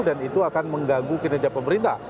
dan itu akan mengganggu kinerja pemerintah